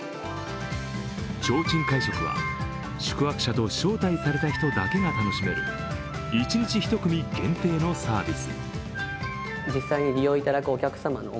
提灯会食は宿泊者と招待された人だけが楽しめる１日１組限定のサービス。